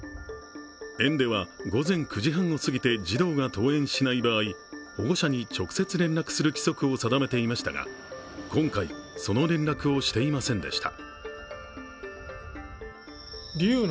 園では、午前９時半を過ぎて児童が登園しない場合、保護者に直接連絡する規則を定めていましたが今回、その連絡をしていませんでした。